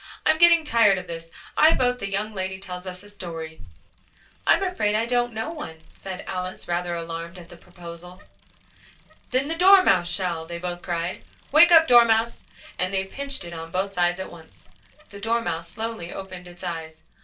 "I'm getting tired of this. I vote the young lady tells us a story." "I'm afraid I don't know one," said Alice, rather alarmed at the proposal. "Then the Dormouse shall!" they both cried. "Wake up, Dormouse!" And they pinched it on both sides at once. The Dormouse slowly opened its eyes.